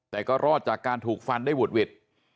แต่ก็รอดจากการถูกฟันได้หุดหวิด